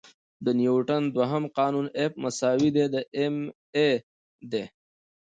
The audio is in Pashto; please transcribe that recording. د نیوټن دوهم قانون F=ma دی.